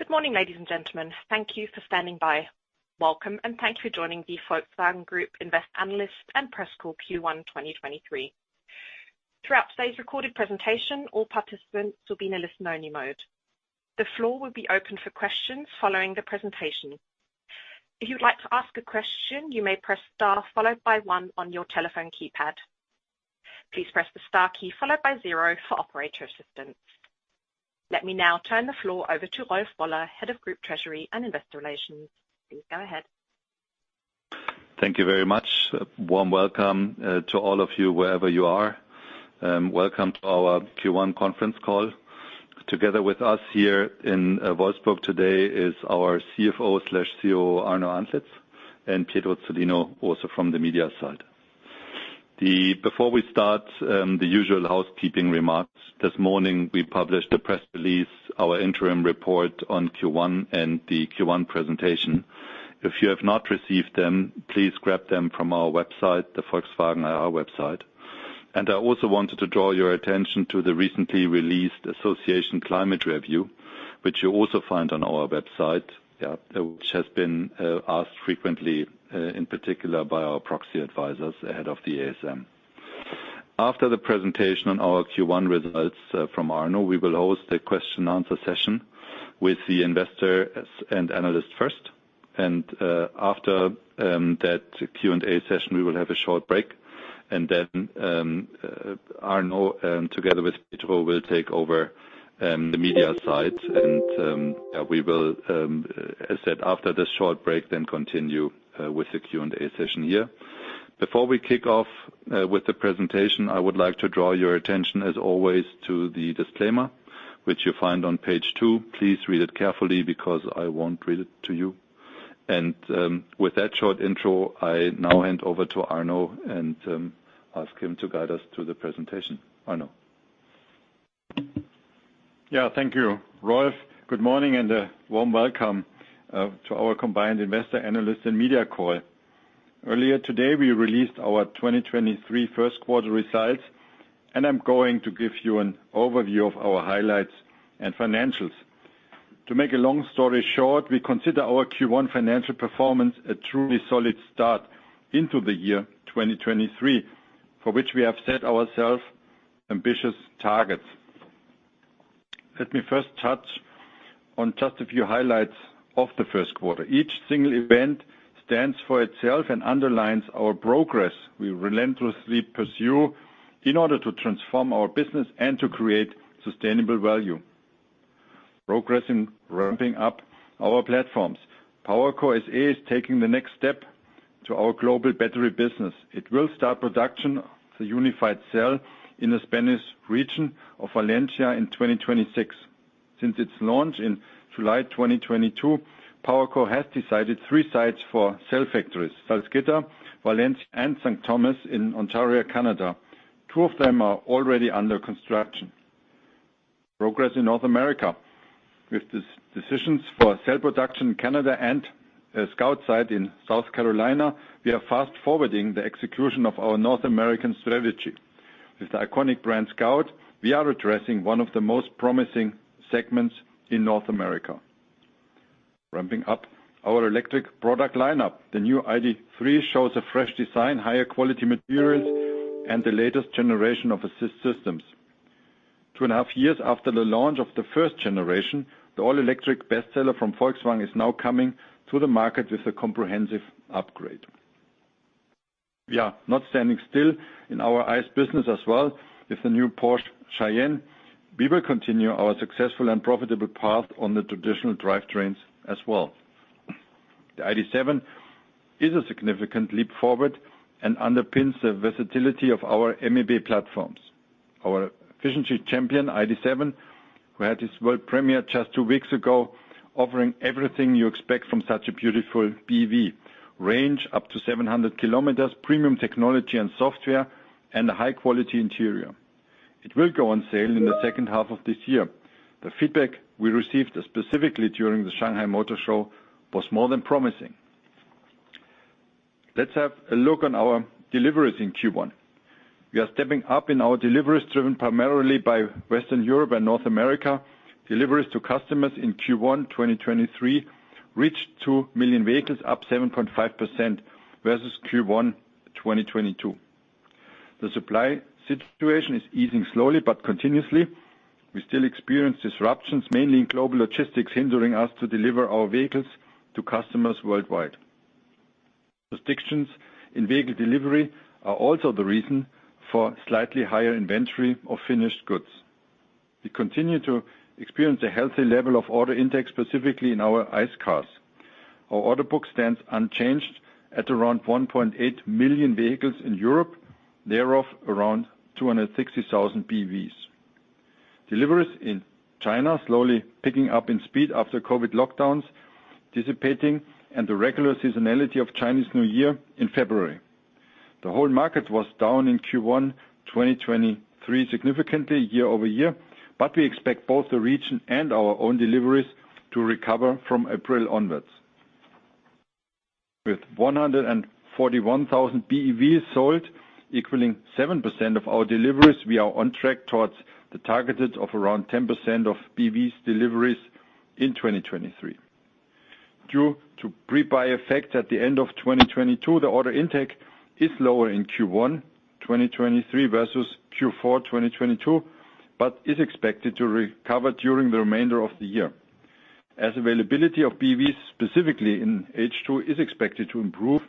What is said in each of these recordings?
Good morning, ladies and gentlemen. Thank you for standing by. Welcome, and thanks for joining the Volkswagen Group invest analyst and press call Q1 2023. Throughout today's recorded presentation, all participants will be in a listen-only mode. The floor will be open for questions following the presentation. If you'd like to ask a question, you may press Star followed by one on your telephone keypad. Please press the star key followed by zero for operator assistance. Let me now turn the floor over to Rolf Woller, Head of Group Treasury and Investor Relations. Please go ahead. Thank you very much. A warm welcome to all of you, wherever you are. Welcome to our Q1 conference call. Together with us here in Wolfsburg today is our CFO/COO, Arno Antlitz, and Pietro Zollino, also from the media side. Before we start, the usual housekeeping remarks. This morning, we published a press release, our interim report on Q1 and the Q1 presentation. If you have not received them, please grab them from our website, the Volkswagen IR website. I also wanted to draw your attention to the recently released Association Climate Review, which you'll also find on our website, which has been asked frequently in particular by our proxy advisors ahead of the ASM. After the presentation on our Q1 results from Arno, we will host a question and answer session with the investors and analysts first. After that Q&A session, we will have a short break. Then Arno, together with Pietro, will take over the media side. Yeah, we will, as said, after this short break, then continue with the Q&A session here. Before we kick off with the presentation, I would like to draw your attention, as always, to the disclaimer, which you'll find on page two. Please read it carefully because I won't read it to you. With that short intro, I now hand over to Arno and ask him to guide us through the presentation. Arno. Yeah, thank you, Rolf. Good morning and a warm welcome to our combined investor, analyst and media call. Earlier today, we released our 2023 Q1 results. I'm going to give you an overview of our highlights and financials. To make a long story short, we consider our Q1 financial performance a truly solid start into the year 2023, for which we have set ourselves ambitious targets. Let me first touch on just a few highlights of the Q1. Each single event stands for itself and underlines our progress we relentlessly pursue in order to transform our business and to create sustainable value. Progress in ramping up our platforms. PowerCo SE is taking the next step to our global battery business. It will start production of the unified cell in the Spanish region of Valencia in 2026. Since its launch in July 2022, PowerCo has decided three sites for cell factories, Salzgitter, Valencia, and St. Thomas in Ontario, Canada. Two of them are already under construction. Progress in North America. With decisions for cell production in Canada and a Scout site in South Carolina, we are fast-forwarding the execution of our North American strategy. With the iconic brand Scout, we are addressing one of the most promising segments in North America. Ramping up our electric product lineup. The new ID.3 shows a fresh design, higher quality materials, and the latest generation of assist systems. Two and a half years after the launch of the first generation, the all-electric bestseller from Volkswagen is now coming to the market with a comprehensive upgrade. We are not standing still in our ICE business as well. With the new Porsche Cayenne, we will continue our successful and profitable path on the traditional drivetrains as well. The ID.7 is a significant leap forward and underpins the versatility of our MEB platforms. Our efficiency champion, ID.7, who had its world premiere just two weeks ago, offering everything you expect from such a beautiful BEV, range up to 700 km, premium technology and software, and a high-quality interior. It will go on sale in the second half of this year. The feedback we received, specifically during the Shanghai Motor Show, was more than promising. Let's have a look on our deliveries in Q1. We are stepping up in our deliveries, driven primarily by Western Europe and North America. Deliveries to customers in Q1 2023 reached 2 million vehicles, up 7.5% versus Q1 2022. The supply situation is easing slowly but continuously. We still experience disruptions, mainly in global logistics, hindering us to deliver our vehicles to customers worldwide. Restrictions in vehicle delivery are also the reason for slightly higher inventory of finished goods. We continue to experience a healthy level of order intake, specifically in our ICE cars. Our order book stands unchanged at around 1.8 million vehicles in Europe, thereof, around 260,000 BEVs. Deliveries in China are slowly picking up in speed after COVID lockdowns dissipating and the regular seasonality of Chinese New Year in February. The whole market was down in Q1 2023, significantly year-over-year. We expect both the region and our own deliveries to recover from April onwards. With 141,000 BEVs sold, equaling 7% of our deliveries, we are on track towards the target of around 10% of BEVs deliveries in 2023. Due to the pre-buy effect at the end of 2022, the order intake is lower in Q1 2023 versus Q4 2022, but is expected to recover during the remainder of the year. As availability of BEVs, specifically in H2, is expected to improve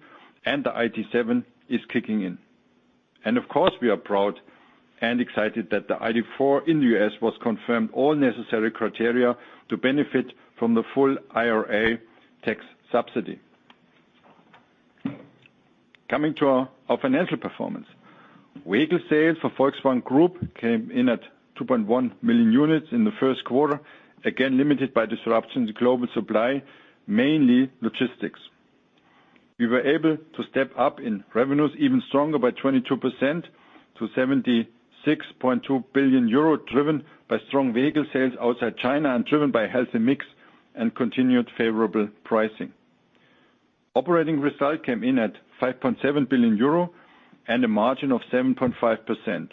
and the ID.7 is kicking in. Of course, we are proud and excited that the ID.4 in the U.S. was confirmed all necessary criteria to benefit from the full IRA tax subsidy. Coming to our financial performance. Vehicle sales for Volkswagen Group came in at 2.1 million units in the Q1, again, limited by disruptions in global supply, mainly logistics. We were able to step up in revenues even stronger by 22% to 76.2 billion euro, driven by strong vehicle sales outside China and driven by healthy mix and continued favorable pricing. Operating result came in at 5.7 billion euro and a margin of 7.5%.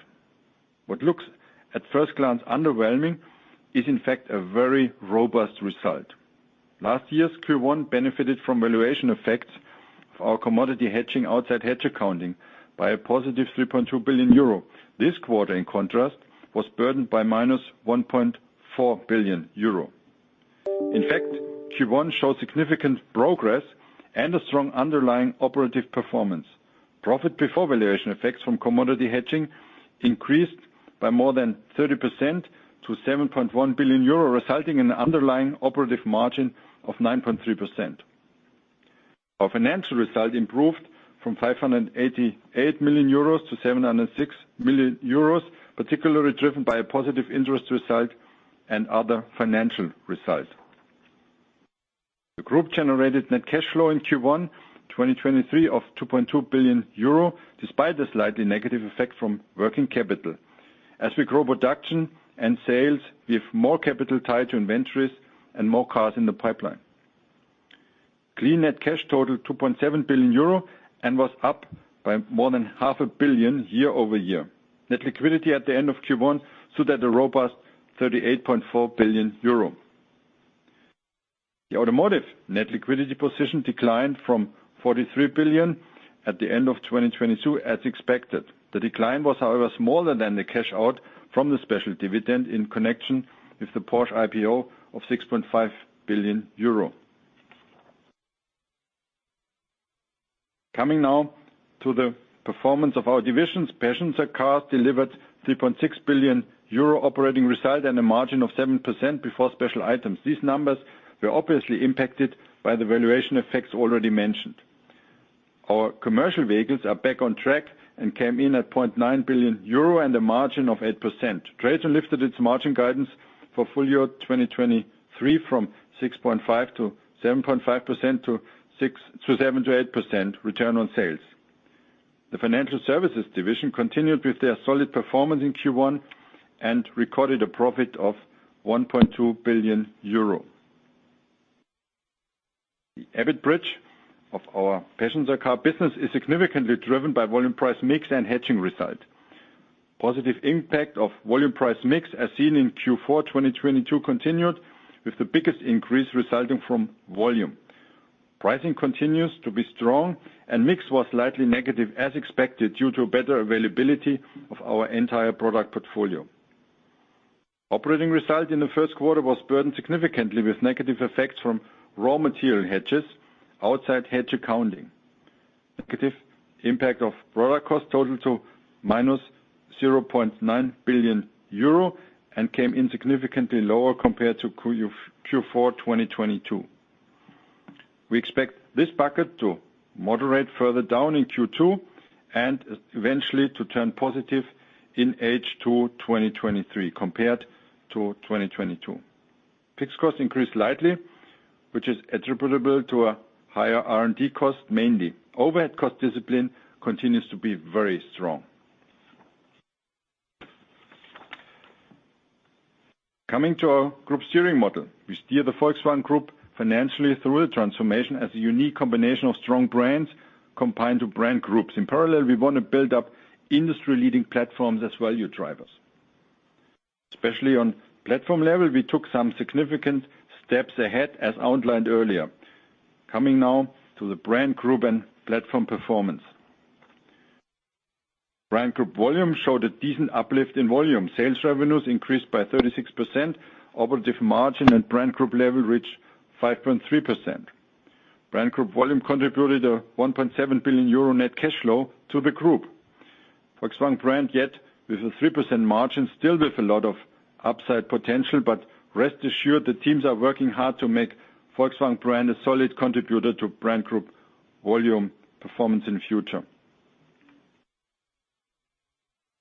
What looks, at first glance, underwhelming is, in fact, a very robust result. Last year's Q1 benefited from valuation effects of our commodity hedging outside hedge accounting by a +3.2 billion euro. This quarter, in contrast, was burdened by -1.4 billion euro. Q1 shows significant progress and a strong underlying operative performance. Profit before valuation effects from commodity hedging increased by more than 30% to 7.1 billion euro, resulting in underlying operative margin of 9.3%. Our financial result improved from 588 million euros to 706 million euros, particularly driven by a positive interest result and other financial result. The group generated net cash flow in Q1 2023 of 2.2 billion euro, despite the slightly negative effect from working capital. As we grow production and sales, we have more capital tied to inventories and more cars in the pipeline. Clean net cash totaled 2.7 billion euro and was up by more than half a billion year-over-year. Net liquidity at the end of Q1 stood at a robust 38.4 billion euro. The automotive net liquidity position declined from 43 billion at the end of 2022 as expected. The decline was, however, smaller than the cash out from the special dividend in connection with the Porsche IPO of 6.5 billion euro. Coming now to the performance of our divisions. Passenger cars delivered 3.6 billion euro operating result and a margin of 7% before special items. These numbers were obviously impacted by the valuation effects already mentioned. Our commercial vehicles are back on track and came in at 0.9 billion euro and a margin of 8%. TRATON lifted its margin guidance for full year 2023 from 6.5%-7.5% to 6% to 7% to 8% return on sales. The financial services division continued with their solid performance in Q1 and recorded a profit of 1.2 billion euro. The EBIT bridge of our passenger car business is significantly driven by volume price mix and hedging result. Positive impact of volume price mix, as seen in Q4 2022, continued, with the biggest increase resulting from volume. Pricing continues to be strong and mix was slightly negative as expected due to better availability of our entire product portfolio. Operating result in the Q1 was burdened significantly with negative effects from raw material hedges outside hedge accounting. Negative impact of raw cost total to minus 0.9 billion euro and came in significantly lower compared to Q4 2022. We expect this bucket to moderate further down in Q2 and eventually to turn positive in H2 2023 compared to 2022. Fixed costs increased slightly, which is attributable to a higher R&D cost mainly. Overhead cost discipline continues to be very strong. Coming to our group steering model. We steer the Volkswagen Group financially through the transformation as a unique combination of strong brands combined to brand groups. In parallel, we want to build up industry-leading platforms as value drivers. Especially on platform level, we took some significant steps ahead, as outlined earlier. Coming now to the brand group and platform performance. Brand group volume showed a decent uplift in volume. Sales revenues increased by 36%. Operative margin at brand group level reached 5.3%. Brand group volume contributed a 1.7 billion euro net cash flow to the group. Volkswagen brand, yet with a 3% margin, still with a lot of upside potential. Rest assured the teams are working hard to make Volkswagen brand a solid contributor to brand group volume performance in the future.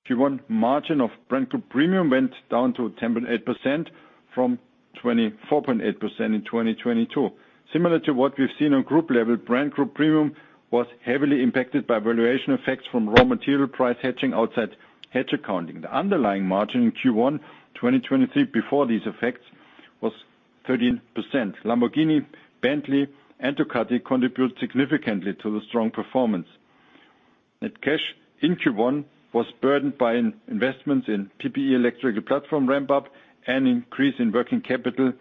Q1 margin of brand group premium went down to 10.8% from 24.8% in 2022. Similar to what we've seen on group level, brand group premium was heavily impacted by valuation effects from raw material price hedging outside hedge accounting. The underlying margin in Q1 2023 before these effects was 13%. Lamborghini, Bentley and Ducati contribute significantly to the strong performance. Net cash in Q1 was burdened by investments in PPE electrical platform ramp-up and increase in working capital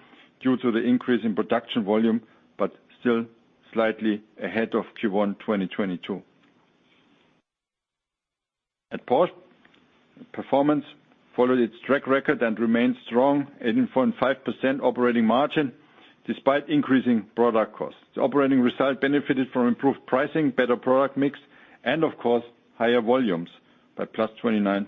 due to the increase in production volume, but still slightly ahead of Q1 2022. At Porsche, performance followed its track record and remained strong, 8.5% operating margin despite increasing product costs. The operating result benefited from improved pricing, better product mix and of course, higher volumes by +29%.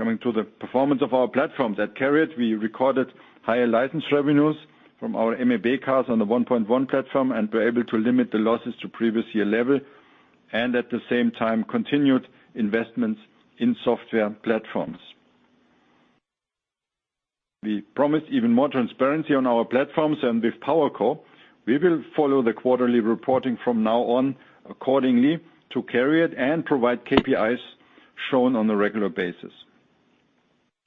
Coming to the performance of our platforms. At CARIAD, we recorded higher license revenues from our MEB cars on the 1.1 platform and were able to limit the losses to previous year level and at the same time continued investments in software platforms. We promised even more transparency on our platforms and with PowerCo, we will follow the quarterly reporting from now on accordingly to CARIAD and provide KPIs shown on a regular basis.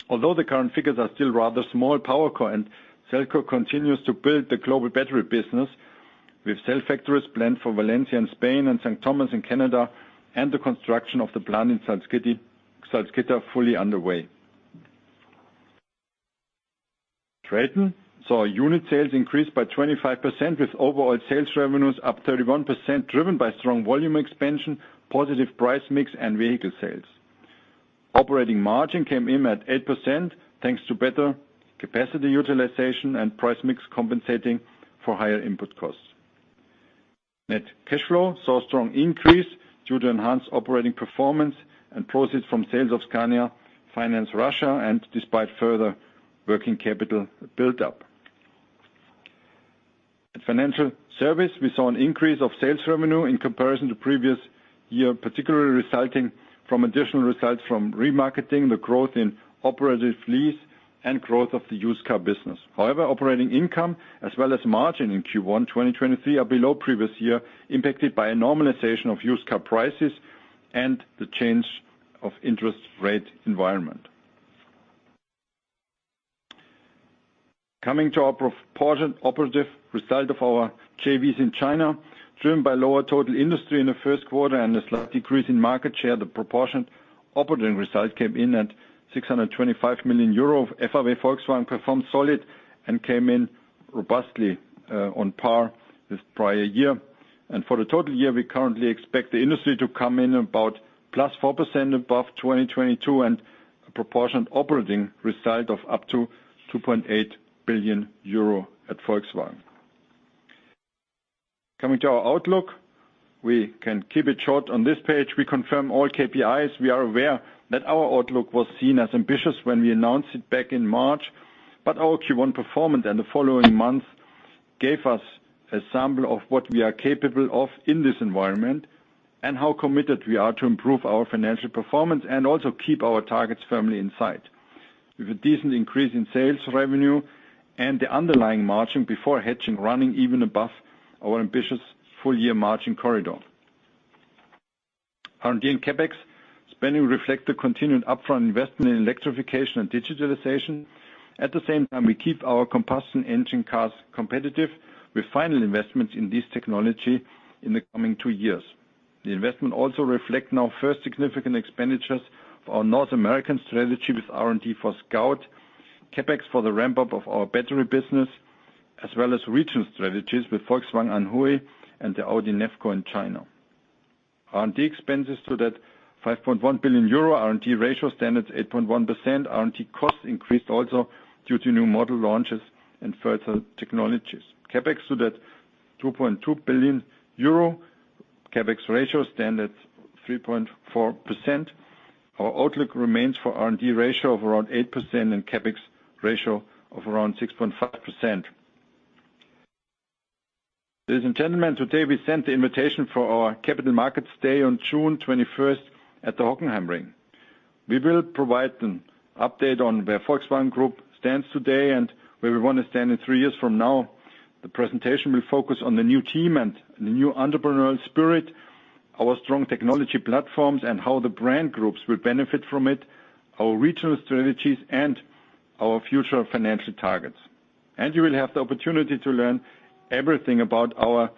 Although the current figures are still rather small, PowerCo and Cellco continues to build the global battery business with cell factories planned for Valencia in Spain and St. Thomas in Canada, and the construction of the plant in Salzgitter fully underway. TRATON saw unit sales increase by 25% with overall sales revenues up 31%, driven by strong volume expansion, positive price mix and vehicle sales. Operating margin came in at 8% thanks to better capacity utilization and price mix compensating for higher input costs. Net cash flow saw a strong increase due to enhanced operating performance and proceeds from sales of Scania Finance Russia and despite further working capital build-up. At financial service, we saw an increase of sales revenue in comparison to previous year, particularly resulting from additional results from remarketing, the growth in operative lease and growth of the used car business. However, operating income as well as margin in Q1 2023 are below previous year, impacted by a normalization of used car prices and the change of interest rate environment. Coming to our proportion operative result of our JVs in China, driven by lower total industry in the Q1 and a slight decrease in market share, the proportion operating results came in at 625 million euro. FAW-Volkswagen performed solid and came in robustly on par with prior year. For the total year, we currently expect the industry to come in about +4% above 2022 and a proportionate operating result of up to 2.8 billion euro at Volkswagen. Coming to our outlook, we can keep it short on this page. We confirm all KPIs. We are aware that our outlook was seen as ambitious when we announced it back in March. Our Q1 performance and the following months gave us a sample of what we are capable of in this environment and how committed we are to improve our financial performance and also keep our targets firmly in sight. With a decent increase in sales revenue and the underlying margin before hedging running even above our ambitious full-year margin corridor. R&D and CapEx spending reflect the continued upfront investment in electrification and digitalization. At the same time, we keep our combustion engine cars competitive with final investments in this technology in the coming two years. The investment also reflects now the first significant expenditures for our North American strategy with R&D for Scout, CapEx for the ramp-up of our battery business, as well as regional strategies with Volkswagen Anhui and the Audi NEVCo in China. R&D expenses stood at 5.1 billion euro. R&D ratio stands at 8.1%. R&D costs increased also due to new model launches and further technologies. CapEx stood at 2.2 billion euro. CapEx ratio stands at 3.4%. Our outlook remains for R&D ratio of around 8% and CapEx ratio of around 6.5%. Ladies and gentlemen, today we sent the invitation for our Capital Markets Day on June 21 at the Hockenheimring. We will provide an update on where Volkswagen Group stands today and where we wanna stand in three years from now. The presentation will focus on the new team and the new entrepreneurial spirit, our strong technology platforms, and how the brand groups will benefit from it, our regional strategies, and our future financial targets. You will have the opportunity to learn everything about our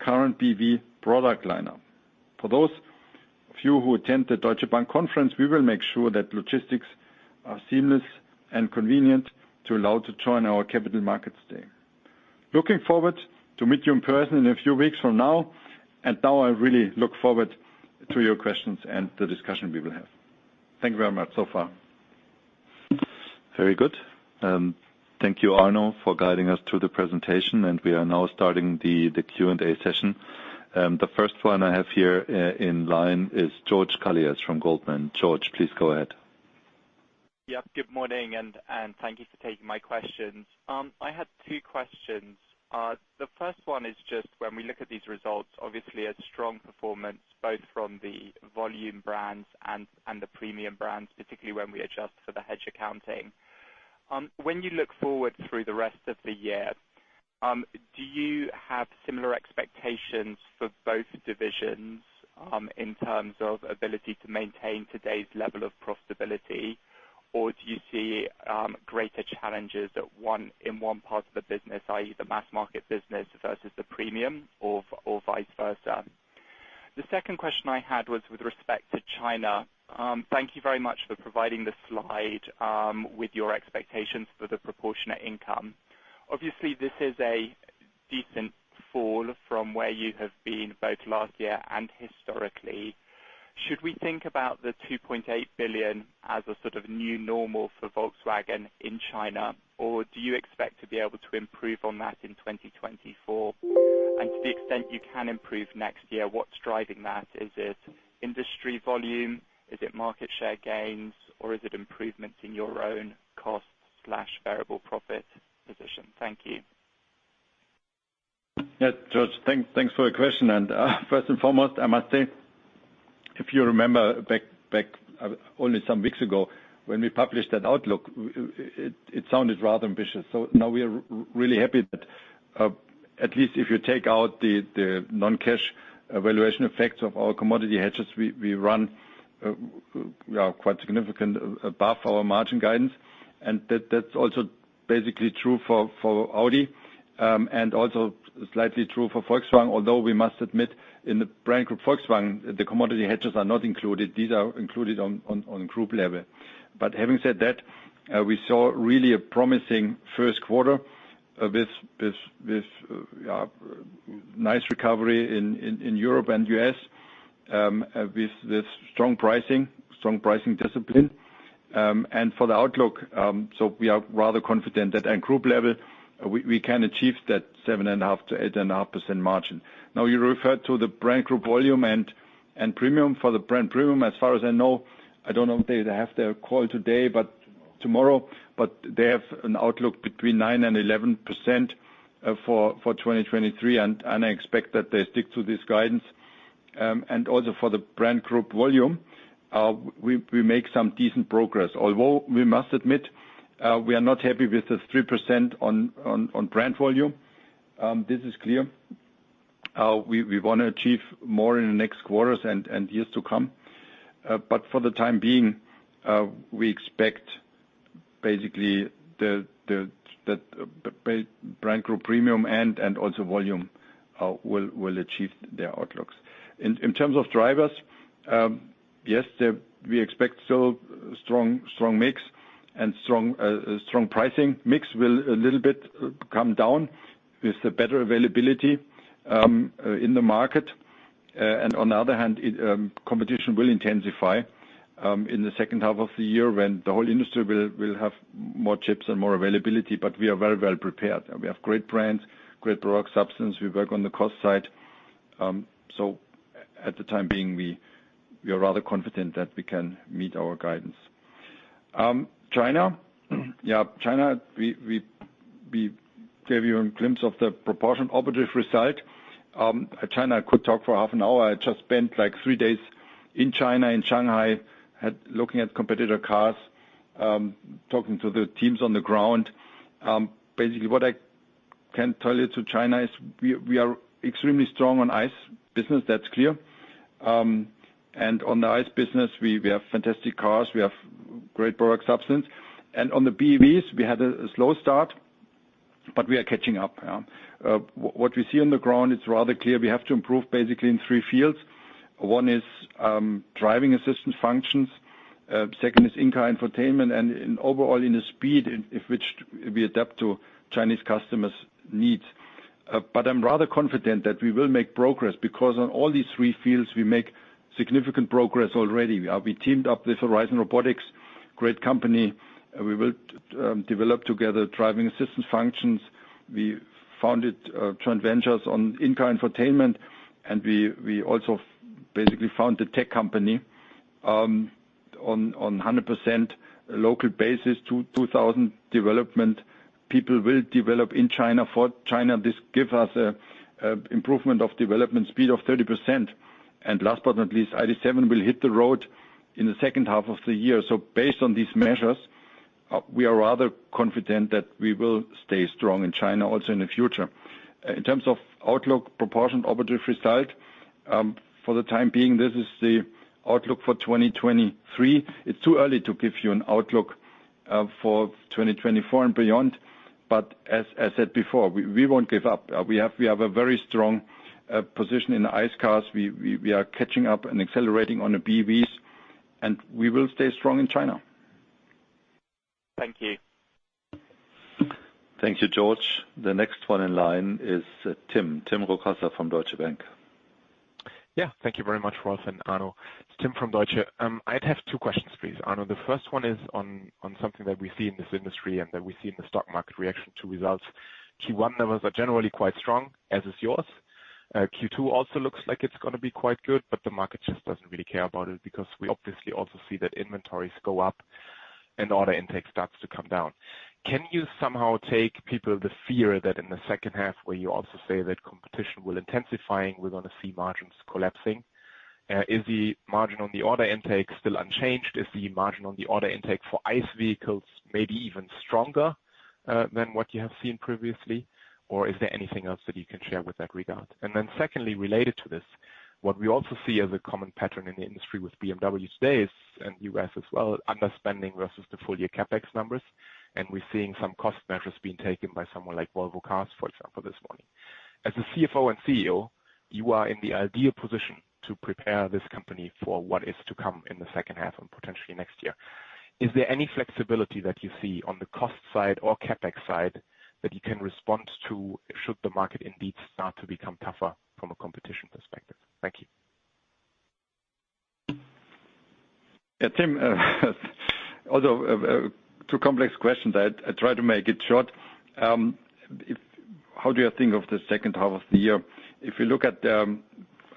current PV product lineup. For those of you who attend the Deutsche Bank conference, we will make sure that logistics are seamless and convenient to allow to join our Capital Markets Day. Looking forward to meet you in person in a few weeks from now. Now I really look forward to your questions and the discussion we will have. Thank you very much so far. Very good. Thank you, Arno, for guiding us through the presentation. We are now starting the Q&A session. The first one I have here in line is George Galliers from Goldman. George, please go ahead. Yep, good morning and thank you for taking my questions. I had two questions. The first one is just when we look at these results, obviously a strong performance both from the volume brands and the premium brands, particularly when we adjust for the hedge accounting. When you look forward through the rest of the year, do you have similar expectations for both divisions, in terms of ability to maintain today's level of profitability, or do you see greater challenges in one part of the business, i.e., the mass market business versus the premium or vice versa? The second question I had was with respect to China. Thank you very much for providing the slide, with your expectations for the proportionate income. Obviously, this is a decent fall from where you have been both last year and historically. Should we think about the 2.8 billion as a sort of new normal for Volkswagen in China, or do you expect to be able to improve on that in 2024? To the extent you can improve next year, what's driving that? Is it industry volume? Is it market share gains, or is it improvements in your own cost slash variable profit position? Thank you. George, thanks for the question. First and foremost, I must say, if you remember back only some weeks ago when we published that outlook, it sounded rather ambitious. Now we are really happy that, at least if you take out the non-cash valuation effects of our commodity hedges, we run, we are quite significant above our margin guidance. That's also basically true for Audi, and also slightly true for Volkswagen, although we must admit, in the brand group Volkswagen, the commodity hedges are not included. These are included on group level. Having said that, we saw really a promising Q1, with nice recovery in Europe and US, with strong pricing, strong pricing discipline. For the outlook, we are rather confident that at Group level we can achieve that 7.5%-8.5% margin. You referred to the Brand Group Volume and premium. For the Brand Premium, as far as I know, I don't know if they have their call today. Tomorrow. -tomorrow, but they have an outlook between 9% and 11% for 2023, and I expect that they stick to this guidance. Also for the brand group volume, we make some decent progress. Although we must admit, we are not happy with the 3% on brand volume. This is clear. We wanna achieve more in the next quarters and years to come. For the time being, we expect basically the brand group premium and also volume will achieve their outlooks. In terms of drivers, yes, we expect still strong mix and strong pricing. Mix will a little bit come down with the better availability in the market. On the other hand, competition will intensify in the second half of the year when the whole industry will have more chips and more availability. We are very well prepared. We have great brands, great product substance. We work on the cost side. At the time being, we are rather confident that we can meet our guidance. China. China, we gave you a glimpse of the proportion operative result. China, I could talk for half an hour. I just spent, like, three days in China, in Shanghai, looking at competitor cars, talking to the teams on the ground. Basically what I can tell you to China is we are extremely strong on ICE business, that's clear. On the ICE business, we have fantastic cars, we have great product substance. On the BEVs, we had a slow start, but we are catching up now. What we see on the ground, it's rather clear we have to improve basically in three fields. One is driving assistance functions. Second is in-car infotainment and overall in the speed in which we adapt to Chinese customers' needs. I'm rather confident that we will make progress because on all these three fields, we make significant progress already. We teamed up with Horizon Robotics, great company. We will develop together driving assistance functions. We founded joint ventures on in-car infotainment, and we also basically found a tech company on 100% local basis. 2,000 development people will develop in China. For China, this give us improvement of development speed of 30%. Last but not least, ID.7 will hit the road in the second half of the year. Based on these measures, we are rather confident that we will stay strong in China also in the future. In terms of outlook proportion, operative result, for the time being, this is the outlook for 2023. It's too early to give you an outlook for 2024 and beyond, as said before, we won't give up. We have a very strong position in the ICE cars. We are catching up and accelerating on the BEVs, and we will stay strong in China. Thank you. Thank you, George. The next one in line is Tim Rokossa from Deutsche Bank. Yeah. Thank you very much, Rolf and Arno Antlitz. It's Tim from Deutsche Bank. I'd have two questions, please, Arno Antlitz. The first one is on something that we see in this industry and that we see in the stock market reaction to results. Q1 numbers are generally quite strong, as is yours. Q2 also looks like it's gonna be quite good, but the market just doesn't really care about it because we obviously also see that inventories go up and order intake starts to come down. Can you somehow take people the fear that in the second half, where you also say that competition will intensifying, we're gonna see margins collapsing? Is the margin on the order intake still unchanged? Is the margin on the order intake for ICE vehicles maybe even stronger than what you have seen previously, or is there anything else that you can share with that regard? Secondly, related to this, what we also see as a common pattern in the industry with BMW today is, and U.S. as well, underspending versus the full year CapEx numbers. We're seeing some cost measures being taken by someone like Volvo Cars, for example, this morning. As the CFO and CEO, you are in the ideal position to prepare this company for what is to come in the second half and potentially next year. Is there any flexibility that you see on the cost side or CapEx side that you can respond to should the market indeed start to become tougher from a competition perspective? Thank you. Yeah, Tim, although two complex questions, I try to make it short. How do you think of the second half of the year? You look at the,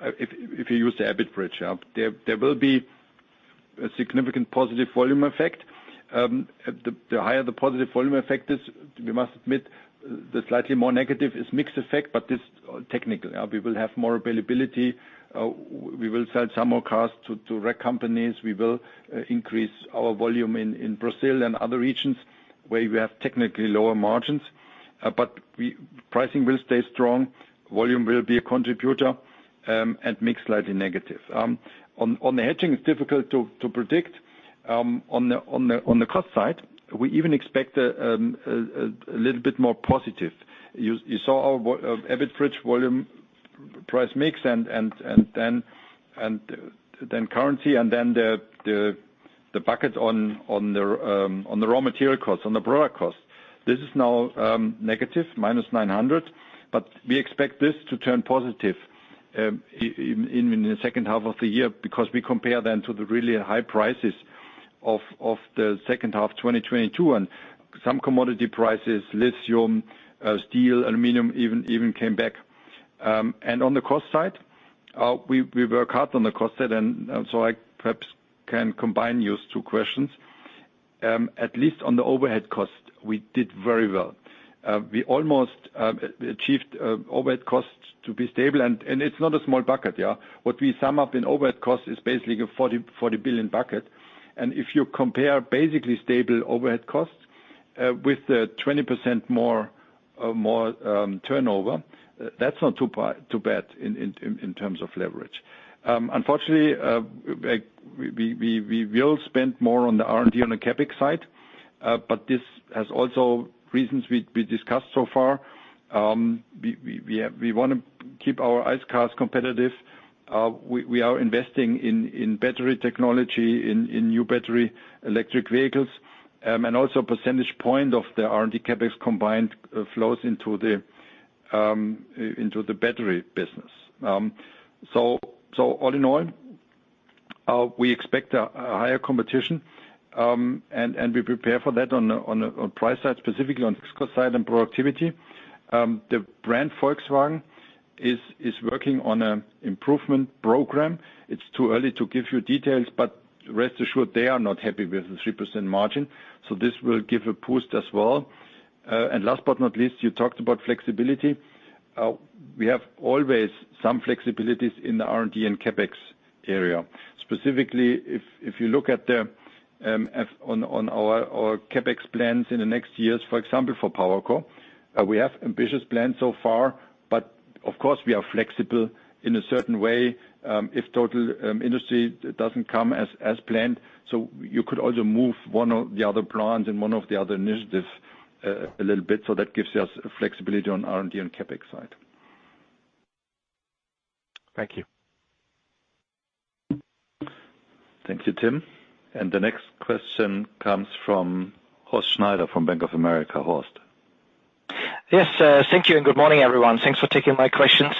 if you use the EBIT bridge, yeah, there will be a significant positive volume effect. The higher the positive volume effect is, we must admit the slightly more negative is mixed effect, this technically, we will have more availability. We will sell some more cars to rental companies. We will increase our volume in Brazil and other regions where we have technically lower margins. Pricing will stay strong, volume will be a contributor, and mix slightly negative. On the hedging, it's difficult to predict. On the cost side, we even expect a little bit more positive. You saw our EBIT bridge volume price mix and then currency and then the bucket on the raw material costs, on the product costs. This is now negative, minus 900, but we expect this to turn positive in the second half of the year because we compare them to the really high prices of the second half of 2022. Some commodity prices, lithium, steel, aluminum even came back. On the cost side, we work hard on the cost side, I perhaps can combine your two questions. At least on the overhead cost, we did very well. We almost achieved overhead costs to be stable, and it's not a small bucket. What we sum up in overhead cost is basically a 40 billion bucket. If you compare basically stable overhead costs with a 20% more turnover, that's not too bad in terms of leverage. Unfortunately, we will spend more on the R&D on the CapEx side, this has also reasons we discussed so far. We wanna keep our ICE cars competitive. We are investing in battery technology, in new battery electric vehicles. Also, a percentage point of the R&D CapEx combined flows into the battery business. All in all, we expect a higher competition, and we prepare for that on the price side, specifically on cost side and productivity. The brand Volkswagen is working on an improvement program. It's too early to give you details, but rest assured they are not happy with the 3% margin. This will give a boost as well. Last but not least, you talked about flexibility. We have always some flexibilities in the R&D and CapEx area. Specifically, if you look at the CapEx plans in the next years, for example, for PowerCo, we have ambitious plans so far, but of course, we are flexible in a certain way, if total industry doesn't come as planned. You could also move one of the other plans and one of the other initiatives a little bit, so that gives us flexibility on R&D and CapEx side. Thank you. Thank you, Tim. The next question comes from Horst Schneider from Bank of America. Horst. Yes, thank you and good morning, everyone. Thanks for taking my questions.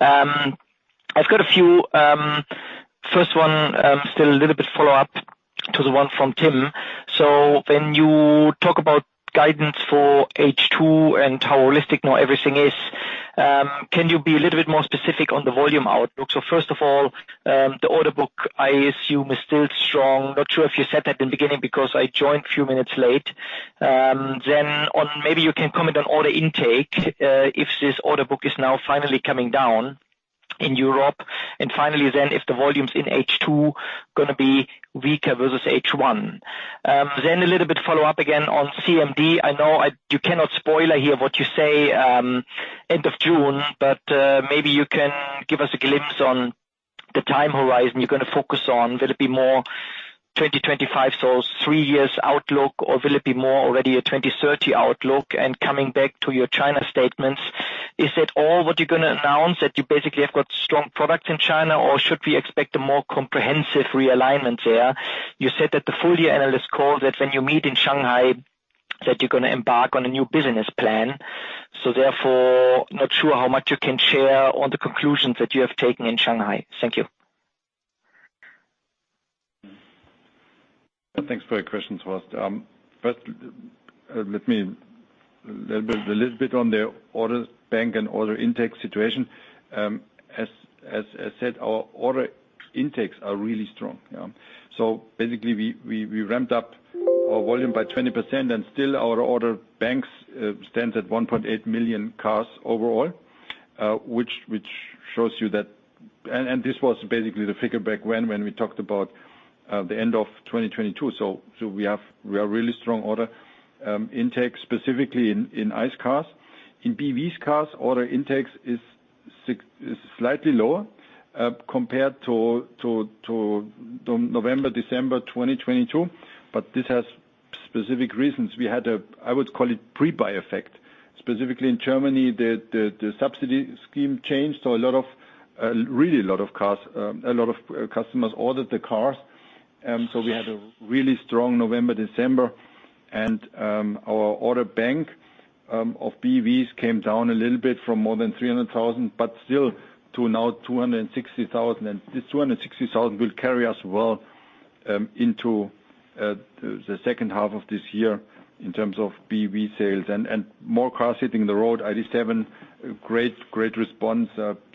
I've got a few. First one, still a little bit follow-up to the one from Tim. When you talk about guidance for H2 and how holistic now everything is, can you be a little bit more specific on the volume outlook? First of all, the order book, I assume, is still strong. Not sure if you said that in the beginning because I joined a few minutes late. Then maybe you can comment on order intake, if this order book is now finally coming down in Europe. Finally, then, if the volumes in H2 gonna be weaker versus H1? A little bit follow-up again on CMD. I know you cannot spoiler here what you say, end of June, but maybe you can give us a glimpse on the time horizon you're gonna focus on. Will it be more 2025, so three years outlook or will it be more already a 2030 outlook? Coming back to your China statements, is it all what you're gonna announce that you basically have got strong products in China, or should we expect a more comprehensive realignment there? You said that the full year analyst call that when you meet in Shanghai, that you're gonna embark on a new business plan. Therefore, not sure how much you can share on the conclusions that you have taken in Shanghai. Thank you. Thanks for your questions, Horst. First, let me a little bit on the orders bank and order intake situation. As I said, our order intakes are really strong. Yeah. Basically we ramped up our volume by 20% and still our order banks stands at 1.8 million cars overall, which shows you that. This was basically the figure back when we talked about the end of 2022. We have really strong order intake, specifically in ICE cars. In BEVs cars, order intake is slightly lower compared to November, December 2022. This has specific reasons. We had a, I would call it pre-buy effect, specifically in Germany, the subsidy scheme changed. A lot of, really a lot of cars, a lot of customers ordered the cars. We had a really strong November, December, and our order bank of BEVs came down a little bit from more than 300,000, but still to now 260,000. This 260,000 will carry us well, into the second half of this year in terms of BEV sales and more cars hitting the road. ID.7 great response,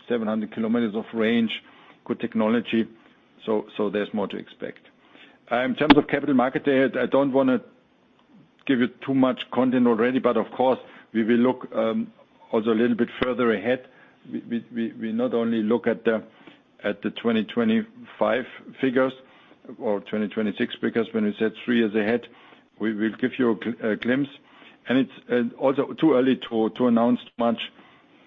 700 km of range, good technology, so there's more to expect. In terms of capital market, I don't wanna give you too much content already, but of course, we will look also a little bit further ahead. We not only look at the 2025 figures or 2026 figures, when we said three years ahead, we will give you a glimpse. It's also too early to announce much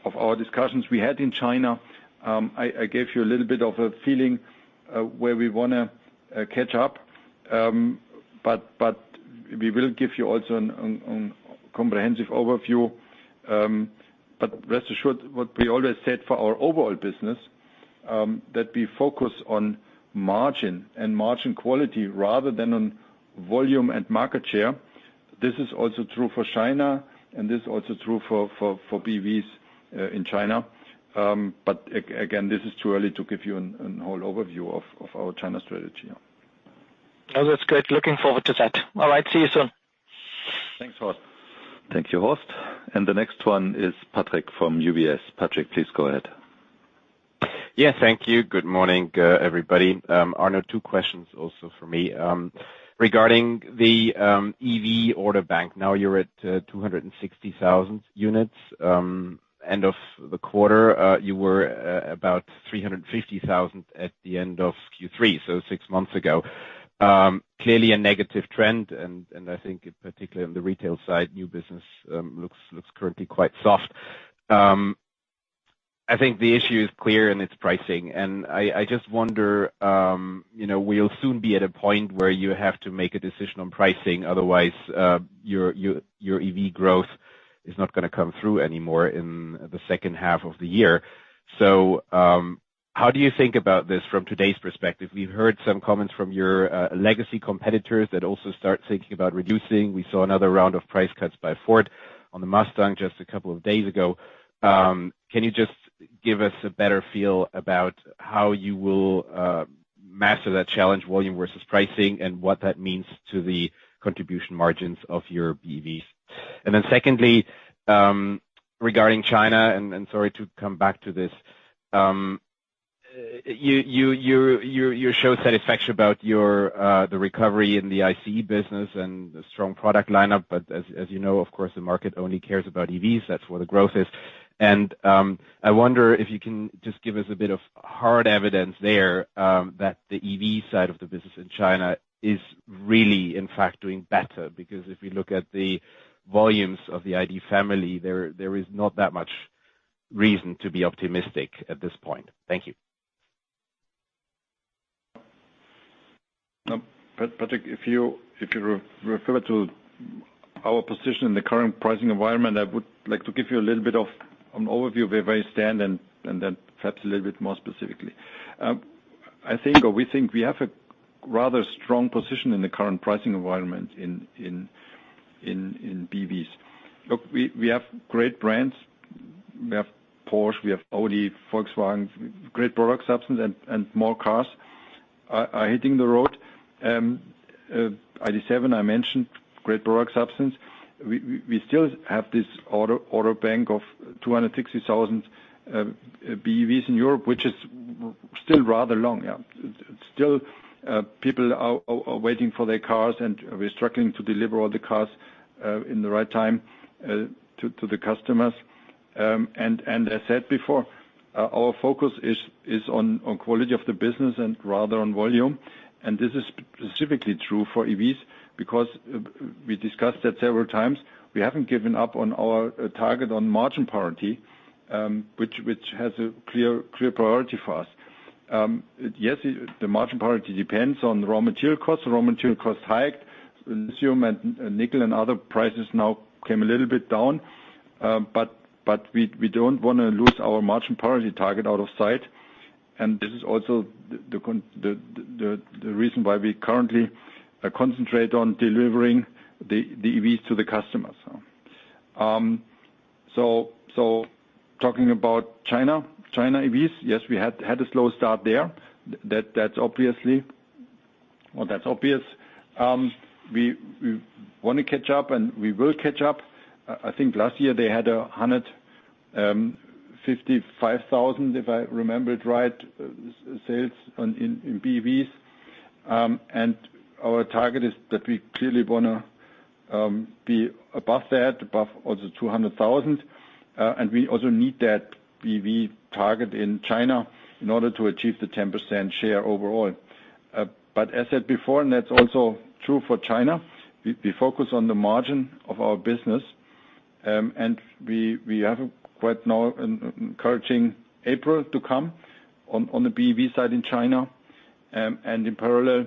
of our discussions we had in China. I gave you a little bit of a feeling where we wanna catch up. We will give you also a comprehensive overview. Rest assured what we always said for our overall business, that we focus on margin and margin quality rather than on volume and market share. This is also true for China, and this is also true for BEVs in China. Again, this is too early to give you a whole overview of our China strategy. No, that's great. Looking forward to that. All right, see you soon. Thanks, Horst. Thank you, Horst. The next one is Patrick from UBS. Patrick, please go ahead. Yeah, thank you. Good morning, everybody. Arno, two questions also for me. Regarding the EV order bank, now you're at 260,000 units. End of the quarter, you were about 350,000 at the end of Q3, so six months ago. Clearly a negative trend. I think particularly on the retail side, new business currently quite soft. I think the issue is clear, and it's pricing. I just wonder, you know, we'll soon be at a point where you have to make a decision on pricing. Otherwise, your EV growth is not gonna come through anymore in the second half of the year. How do you think about this from today's perspective? We've heard some comments from your legacy competitors that also start thinking about reducing. We saw another round of price cuts by Ford on the Mustang just a couple of days ago. Can you just give us a better feel about how you will master that challenge, volume versus pricing, and what that means to the contribution margins of your BEVs? Secondly, regarding China, sorry to come back to this. You show satisfaction about your the recovery in the ICE business and the strong product lineup. As you know, of course, the market only cares about EVs. That's where the growth is. I wonder if you can just give us a bit of hard evidence there, that the EV side of the business in China is really in fact doing better. If you look at the volumes of the ID family, there is not that much reason to be optimistic at this point. Thank you. Patrick, if you, if you refer to our position in the current pricing environment, I would like to give you a little bit of an overview of where we stand and then perhaps a little bit more specifically. I think or we think we have a rather strong position in the current pricing environment in BEVs. Look, we have great brands. We have Porsche, we have Audi, Volkswagen, great product substance and more cars are hitting the road. ID.7, I mentioned great product substance. We still have this order bank of 260,000 BEVs in Europe, which is still rather long, yeah. Still, people are waiting for their cars, and we're struggling to deliver all the cars in the right time to the customers. I said before, our focus is on quality of the business and rather on volume. This is specifically true for EVs because we discussed that several times. We haven't given up on our target on margin parity, which has a clear priority for us. Yes, the margin priority depends on raw material costs. Raw material costs hiked. Lithium and nickel and other prices now came a little bit down. We don't wanna lose our margin priority target out of sight. This is also the reason why we currently concentrate on delivering the EVs to the customers. Talking about China EVs, yes, we had a slow start there. That's obviously or that's obvious. we wanna catch up, and we will catch up. I think last year they had 155,000, if I remember it right, sales on in BEVs. Our target is that we clearly wanna be above that, above also 200,000. We also need that BEV target in China in order to achieve the 10% share overall. As said before, and that's also true for China, we focus on the margin of our business. We have a quite now an encouraging April to come on the BEV side in China. In parallel,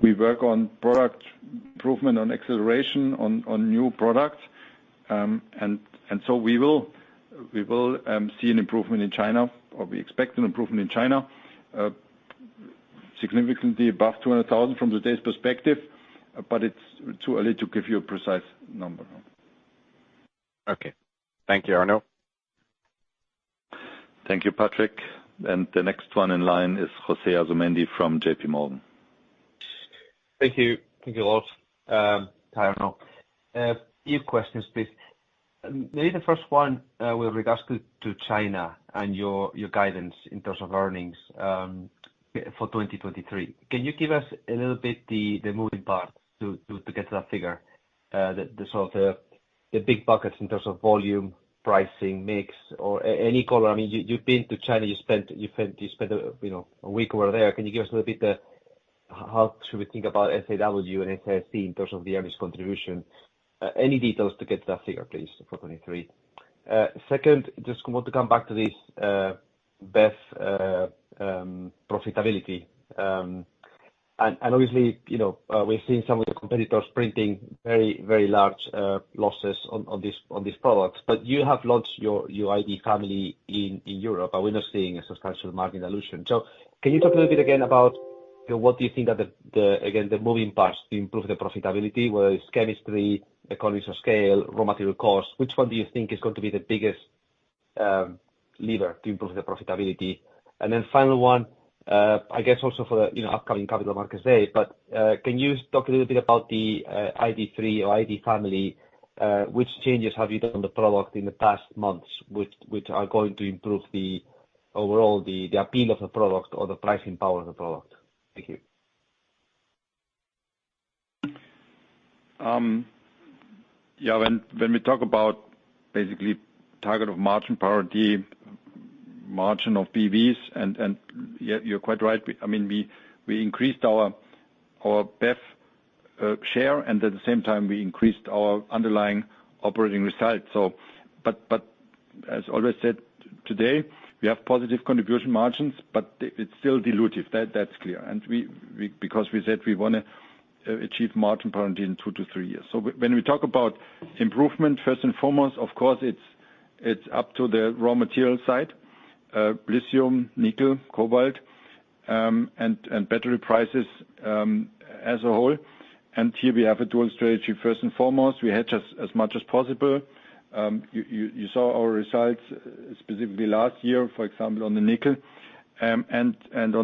we work on product improvement, on acceleration on new products. We will see an improvement in China, or we expect an improvement in China, significantly above 200,000 from today's perspective, but it's too early to give you a precise number. Okay. Thank you, Arno. Thank you, Patrick. The next one in line is José Asumendi from JPMorgan. Thank you. Thank you a lot, Arno. A few questions, please. Maybe the first one with regards to China and your guidance in terms of earnings for 2023. Can you give us a little bit the moving parts to get to that figure? The sort of the big buckets in terms of volume, pricing, mix or any color. I mean, you've been to China, you spent, you know, a week over there. Can you give us a little bit how should we think about SAIC and SAC in terms of the earnings contribution? Any details to get to that figure, please, for 2023. Second, just want to come back to this BEV profitability. Obviously, you know, we're seeing some of the competitors printing very, very large losses on these products. You have launched your ID family in Europe, and we're now seeing a substantial margin dilution. Can you talk a little bit again about, you know, what do you think are the again, the moving parts to improve the profitability, whether it's chemistry, economies of scale, raw material costs? Which one do you think is going to be the biggest lever to improve the profitability? Final one, I guess also for the, you know, upcoming Capital Markets Day, but can you talk a little bit about the ID.3 or ID family? Which changes have you done on the product in the past months which are going to improve the overall appeal of the product or the pricing power of the product? Thank you. Yeah, when we talk about basically target of margin priority, margin of BEVs, and you're quite right. I mean, we increased our BEV share, and at the same time, we increased our underlying operating results, so. But as always said today, we have positive contribution margins, but it's still dilutive. That's clear. We because we said we wanna achieve margin priority in two to three years. When we talk about improvement, first and foremost, of course it's up to the raw material side, lithium, nickel, cobalt, and battery prices as a whole. Here we have a dual strategy. First and foremost, we hedge as much as possible. You saw our results specifically last year, for example, on the nickel. On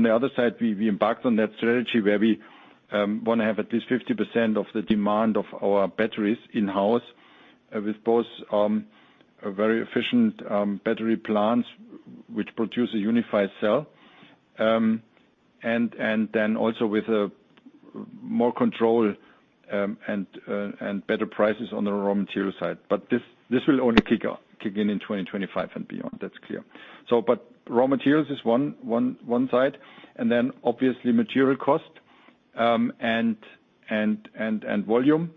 the other side, we embarked on that strategy where we wanna have at least 50% of the demand of our batteries in-house with both very efficient battery plants which produce a unified cell. Then also with more control and better prices on the raw material side. This will only kick in in 2025 and beyond. That's clear. Raw materials is one side, obviously material cost and volume.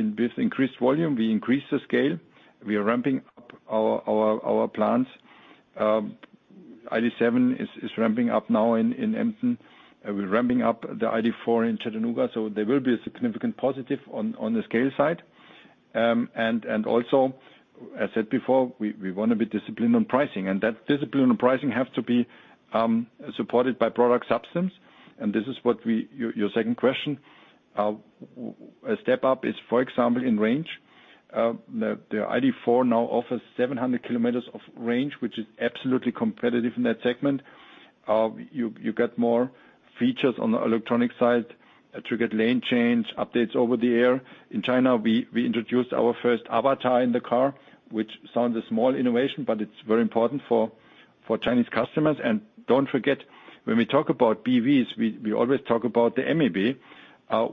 With increased volume, we increase the scale. We are ramping up our plants. ID.7 is ramping up now in Emden. We're ramping up the ID.4 in Chattanooga, there will be a significant positive on the scale side. Also, as said before, we wanna be disciplined on pricing, and that discipline on pricing has to be supported by product substance, and this is Your second question. A step up is, for example, in range. The ID.4 now offers 700 km of range, which is absolutely competitive in that segment. You get more features on the electronic side, a triggered lane change, updates over the air. In China, we introduced our first avatar in the car, which sounds a small innovation, but it's very important for Chinese customers. Don't forget, when we talk about BEVs, we always talk about the MEB.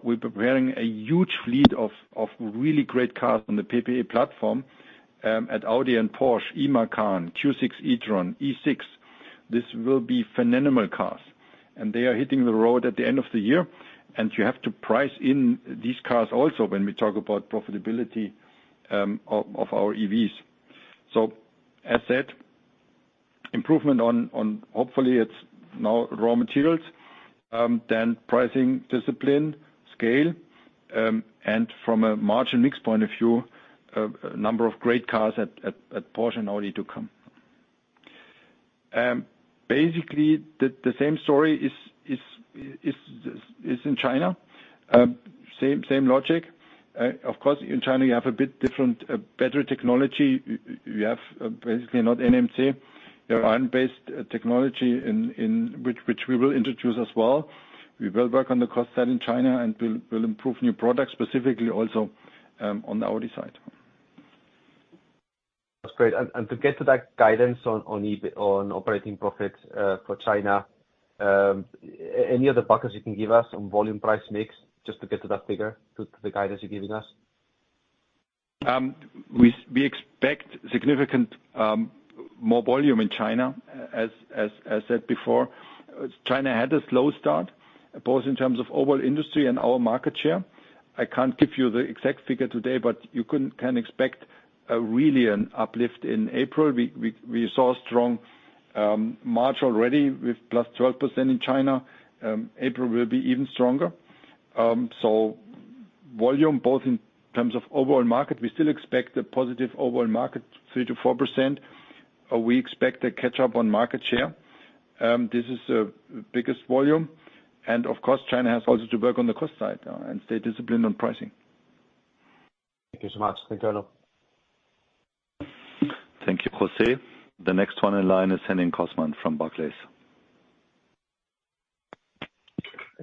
We're preparing a huge fleet of really great cars on the PPE platform at Audi and Porsche, Macan, A6 e-tron. This will be phenomenal cars, they are hitting the road at the end of the year. You have to price in these cars also when we talk about profitability of our BEVs. As said, improvement on hopefully it's now raw materials, then pricing discipline, scale, and from a margin mix point of view, a number of great cars at Porsche and Audi to come. Basically the same story is in China. Same logic. Of course, in China you have a bit different battery technology. You have basically not NMC. You have iron-based technology in which we will introduce as well. We will work on the cost side in China, we'll improve new products, specifically also on the Audi side. That's great. To get to that guidance on operating profit, for China, any other buckets you can give us on volume price mix, just to get to that figure, to the guidance you're giving us? We expect significant more volume in China. As said before, China had a slow start, both in terms of overall industry and our market share. I can't give you the exact figure today, but you can expect a really an uplift in April. We saw strong March already with +12% in China. April will be even stronger. Volume both in terms of overall market, we still expect a positive overall market, 3%-4%. We expect to catch up on market share. This is the biggest volume and of course, China has also to work on the cost side and stay disciplined on pricing. Thank you so much. Thank you, Arno. Thank you, Jose. The next one in line is Henning Cosman from Barclays.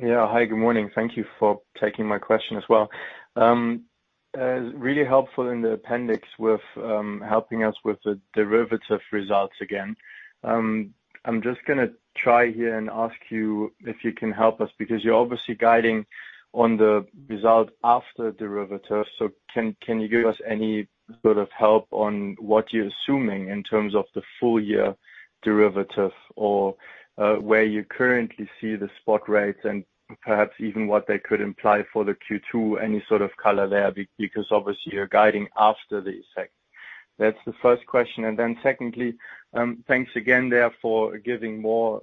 Yeah. Hi, good morning. Thank you for taking my question as well. Really helpful in the appendix with helping us with the derivative results again. I'm just gonna try here and ask you if you can help us, because you're obviously guiding on the result after derivative. Can you give us any sort of help on what you're assuming in terms of the full year derivative or where you currently see the spot rates and perhaps even what they could imply for the Q2, any sort of color there, because obviously you're guiding after the effect. That's the first question. Secondly, thanks again there for giving more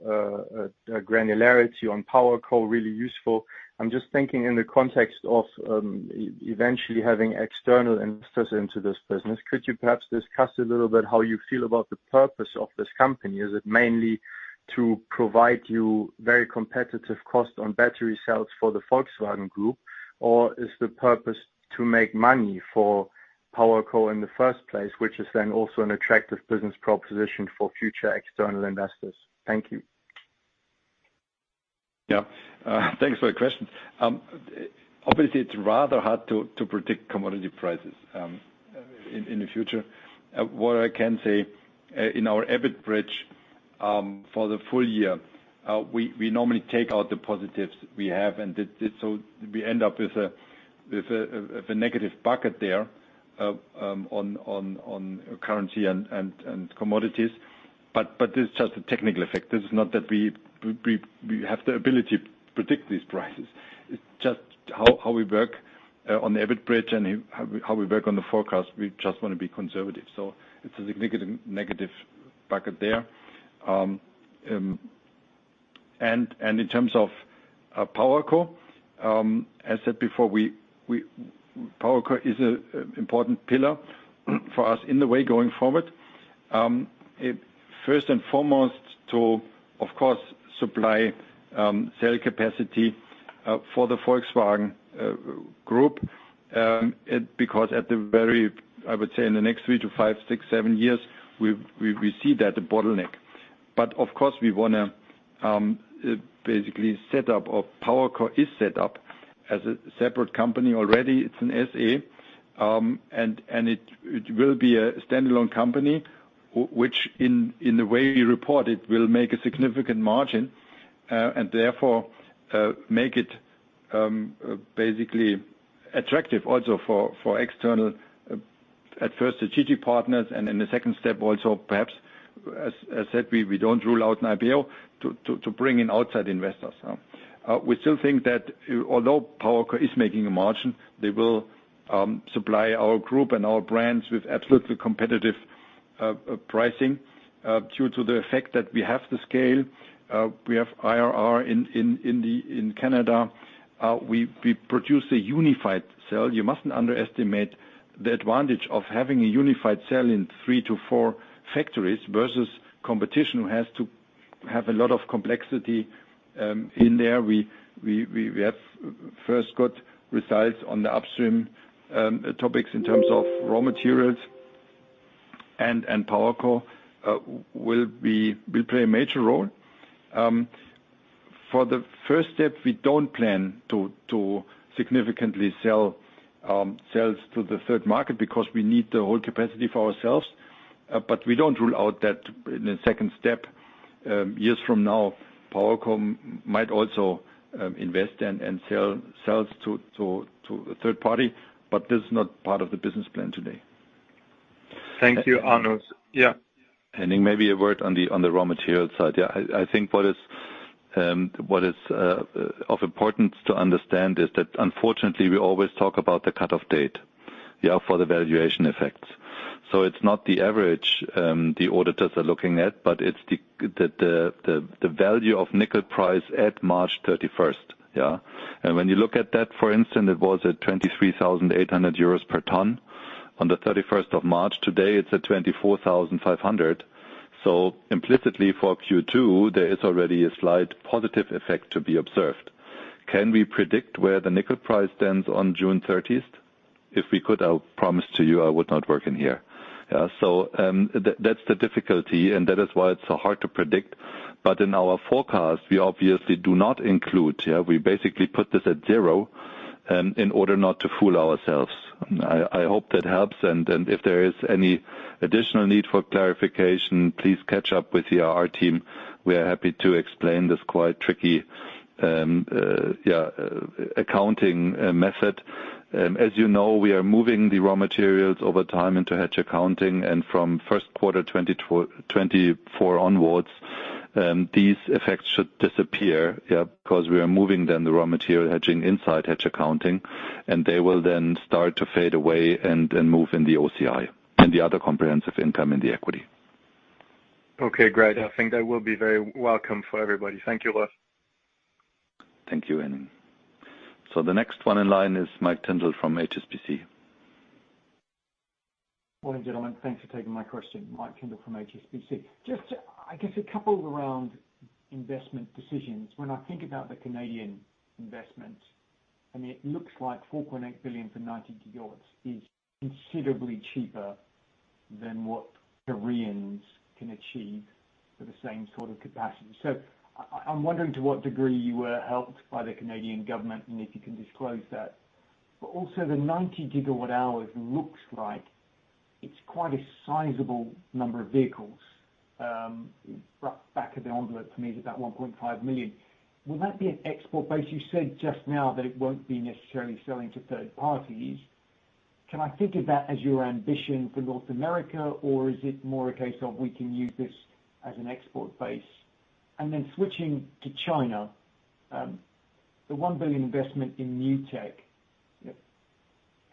granularity on PowerCo, really useful. I'm just thinking in the context of eventually having external investors into this business. Could you perhaps discuss a little bit how you feel about the purpose of this company? Is it mainly to provide you very competitive cost on battery cells for the Volkswagen Group? Is the purpose to make money for PowerCo in the first place, which is then also an attractive business proposition for future external investors? Thank you. Yeah. Thanks for the question. Obviously it's rather hard to predict commodity prices in the future. What I can say, in our EBIT bridge, for the full year, we normally take out the positives we have, so we end up with a negative bucket there, on currency and commodities. It's just a technical effect. This is not that we have the ability to predict these prices. It's just how we work on the EBIT bridge and how we work on the forecast. We just wanna be conservative. It's a significant negative bucket there. In terms of PowerCo, as said before, PowerCo is an important pillar for us in the way going forward. It first and foremost to, of course, supply cell capacity for the Volkswagen Group. It, because at the very, I would say in the next three to five, six, seven years, we see that bottleneck. Of course, we wanna basically set up or PowerCo is set up as a separate company already. It's an SE, and it will be a standalone company, which in the way we report it, will make a significant margin, and therefore, make it basically attractive also for external at first strategic partners. In the second step also perhaps, as said, we don't rule out an IPO to bring in outside investors. We still think that although PowerCo is making a margin, they will supply our group and our brands with absolutely competitive pricing due to the effect that we have the scale, we have IRA in Canada. We produce a unified cell. You mustn't underestimate the advantage of having a unified cell in three to four factories versus competition who has to have a lot of complexity in there. We have first got results on the upstream topics in terms of raw materials and PowerCo will play a major role. For the first step, we don't plan to significantly sell sales to the third market because we need the whole capacity for ourselves, but we don't rule out that in the second step, years from now, PowerCo might also invest and sell sales to a third party. This is not part of the business plan today. Thank you, Arno. Yeah. Henning, maybe a word on the raw material side. I think what is of importance to understand is that unfortunately we always talk about the cut-off date for the valuation effects. It's not the average the auditors are looking at, but it's the value of nickel price at March 31. When you look at that, for instance, it was at 23,800 euros per ton on March 31. Today, it's at 24,500. Implicitly for Q2, there is already a slight positive effect to be observed. Can we predict where the nickel price stands on June 30? If we could, I would promise to you I would not work in here. That's the difficulty, and that is why it's so hard to predict. In our forecast, we obviously do not include, yeah. We basically put this at zero in order not to fool ourselves. I hope that helps. If there is any additional need for clarification, please catch up with the IR team. We are happy to explain this quite tricky. Yeah, accounting method. As you know, we are moving the raw materials over time into hedge accounting. From Q1 2024 onwards, these effects should disappear, because we are moving then the raw material hedging inside hedge accounting, and they will then start to fade away and move in the OCI, and the other comprehensive income in the equity. Okay, great. I think that will be very welcome for everybody. Thank you, Rolf. Thank you, Henning. The next one in line is Michael Tyndall from HSBC. Morning, gentlemen. Thanks for taking my question. Michael Tyndall from HSBC. Just I guess a couple around investment decisions. When I think about the Canadian investment, I mean, it looks like 4.8 billion for 90 GWh is considerably cheaper than what Koreans can achieve for the same sort of capacity. I'm wondering to what degree you were helped by the Canadian government, and if you can disclose that? Also the 90 GWh looks like it's quite a sizable number of vehicles. Rough back of the envelope for me is about 1.5 million. Will that be an export base? You said just now that it won't be necessarily selling to third parties. Can I think of that as your ambition for North America, or is it more a case of we can use this as an export base? Switching to China, the 1 billion investment in new tech,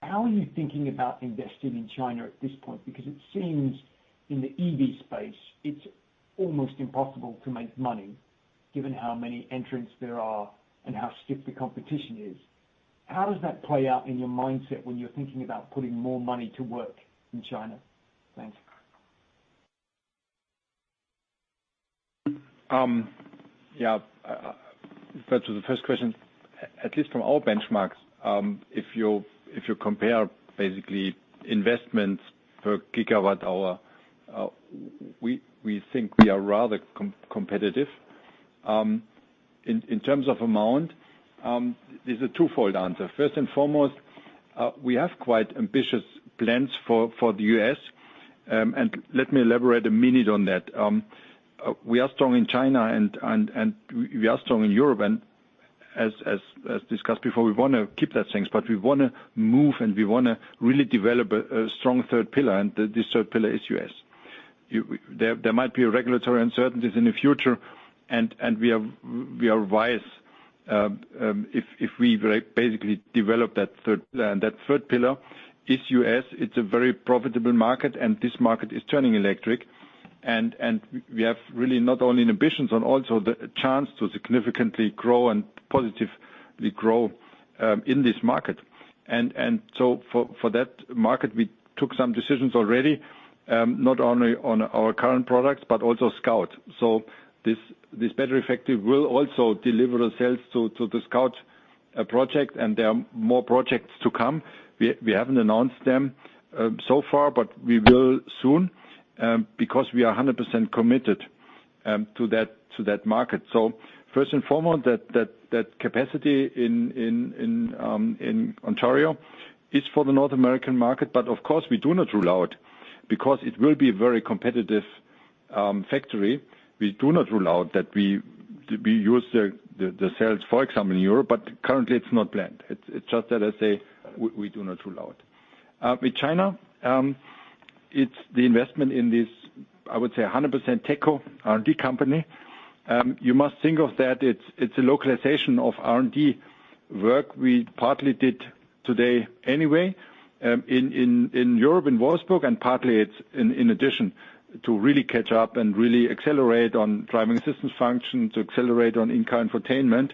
how are you thinking about investing in China at this point? Because it seems in the EV space, it's almost impossible to make money given how many entrants there are and how stiff the competition is. How does that play out in your mindset when you're thinking about putting more money to work in China? Thanks. Back to the first question, at least from our benchmarks, if you compare basically investments per gigawatt-hour, we think we are rather competitive. In terms of amount, it's a twofold answer. First and foremost, we have quite ambitious plans for the U.S., let me elaborate a minute on that. We are strong in China and we are strong in Europe. As discussed before, we wanna keep that things, but we wanna move, and we wanna really develop a strong third pillar, and this third pillar is U.S. There might be regulatory uncertainties in the future, and we are wise if we basically develop that third. That third pillar is U.S. It's a very profitable market, and this market is turning electric. We have really not only ambitions on also the chance to significantly grow and positively grow in this market. For that market, we took some decisions already, not only on our current products but also Scout. This battery factory will also deliver the sales to the Scout project, and there are more projects to come. We haven't announced them so far, but we will soon, because we are 100% committed to that market. First and foremost, that capacity in Ontario is for the North American market. Of course we do not rule out because it will be very competitive factory. We do not rule out that we use the sales, for example, in Europe, but currently it's not planned. It's just that I say we do not rule out. With China, it's the investment in this, I would say 100% TechCo R&D company. You must think of that. It's a localization of R&D work we partly did today anyway, in Europe, in Wolfsburg, and partly it's in addition to really catch up and really accelerate on driving assistance function, to accelerate on in-car infotainment.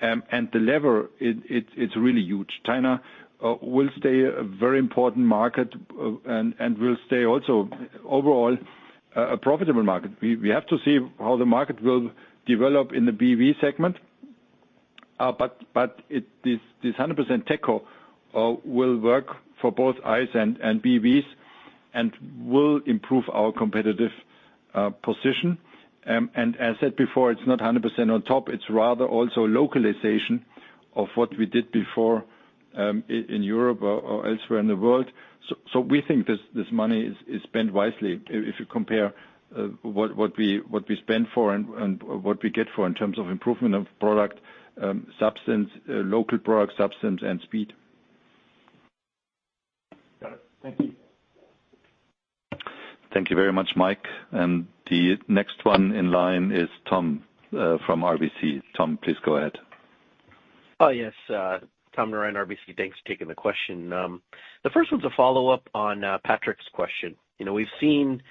The lever it's really huge. China will stay a very important market and will stay also overall a profitable market. We have to see how the market will develop in the BEV segment. This 100% TechCo will work for both ICE and BEVs and will improve our competitive position. As said before, it's not 100% on top. It's rather also localization of what we did before, in Europe or elsewhere in the world. We think this money is spent wisely. If you compare what we spend for and what we get for in terms of improvement of product, substance, local product substance and speed. Got it. Thank you. Thank you very much, Mike. The next one in line is Tom from RBC. Tom, please go ahead. Oh, yes. Tom Narayan in RBC. Thanks for taking the question. The first one's a follow-up on Patrick's question. You know, we've seen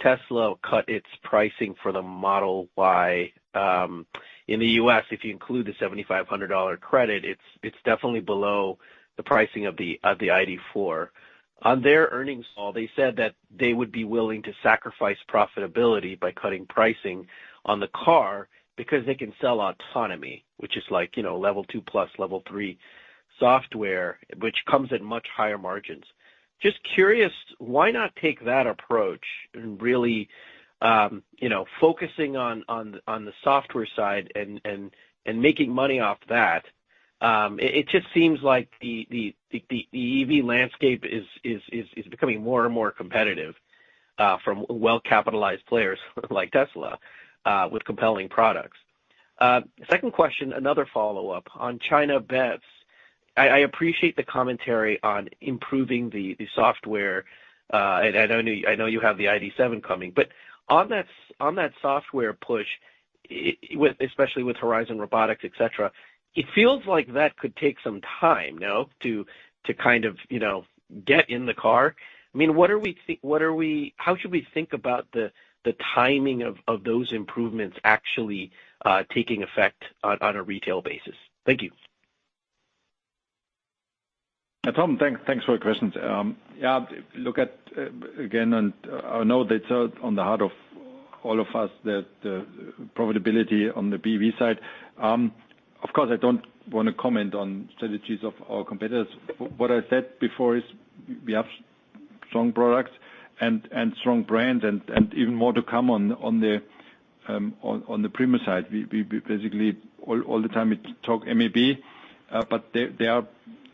Tesla cut its pricing for the Model Y. In the U.S., if you include the $7,500 credit, it's definitely below the pricing of the ID.4. On their earnings call, they said that they would be willing to sacrifice profitability by cutting pricing on the car because they can sell autonomy, which is like, you know, Level 2+, Level 3 software, which comes at much higher margins. Just curious, why not take that approach and really, you know, focusing on the software side and making money off that. It just seems like the EV landscape is becoming more and more competitive from well-capitalized players like Tesla with compelling products. Second question, another follow-up. On China bets, I appreciate the commentary on improving the software. I know you have the ID.7 coming, but on that software push, especially with Horizon Robotics, et cetera, it feels like that could take some time, no, to kind of, you know, get in the car. I mean, how should we think about the timing of those improvements actually taking effect on a retail basis? Thank you. Tom, thanks for the questions. Yeah, look at again, I know that's on the heart of all of us that profitability on the BEV side. Of course, I don't wanna comment on strategies of our competitors. What I said before is we have strong products and strong brands and even more to come on the premium side. We basically all the time talk MEB,